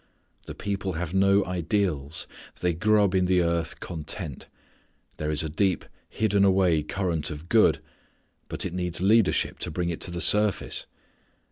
The people have no ideals. They grub in the earth content. There is a deep, hidden away current of good. But it needs leadership to bring it to the surface.